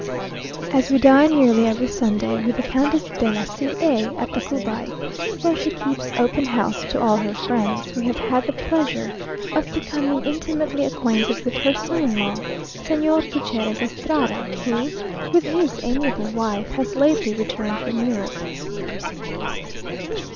As we dine nearly every Sunday with the Countess de la C a at Tacubay, where she keeps open house to all her friends, we have had the pleasure of becoming intimately acquainted with her son in law, Señor Gutierrez Estrada, who, with his amiable wife, has lately returned from Europe.